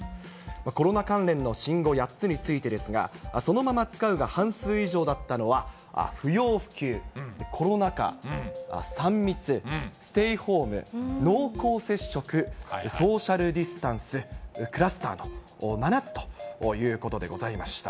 コロナ関連の新語８つについてですが、そのまま使うが半数以上だったのは不要不急、コロナ禍、３密、ステイホーム、濃厚接触、ソーシャルディスタンス、クラスターの７つということでございました。